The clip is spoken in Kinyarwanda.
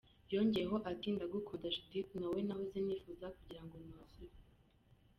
Yongeyeho ati “Ndagukunda Judithe! Ni wowe nahoze nifuza kugira ngo nuzure.